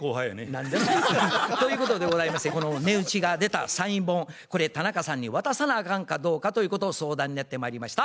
何じゃそら。ということでございましてこの値打ちが出たサイン本これ田中さんに渡さなあかんかどうかということを相談にやってまいりました。